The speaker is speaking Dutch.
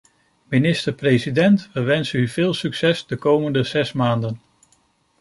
Minister-president, we wensen u veel succes de komende zes maanden.